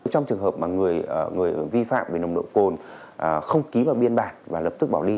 trong trường hợp mà người vi phạm về nồng độ cồn không ký vào biên bản và lập tức bỏ đi